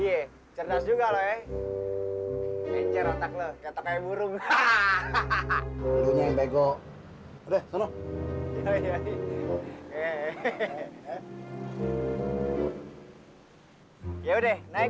eh belakang belakang kaya kayaan mundur depan